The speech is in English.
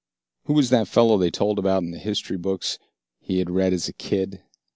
Who was that fellow they told about in the history books he had read as a kid?